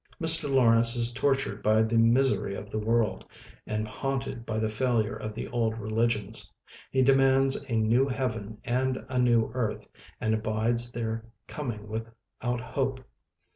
Mr. Lawrence is tor tured by the misery of the world, and haunted by the failure of the old re ligions. He demands a new Heaven and a new earth, and abides their com ing without hope.